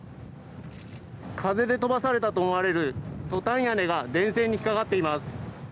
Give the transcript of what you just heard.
風で飛ばされたと思われるトタン屋根が電線に引っかかっています。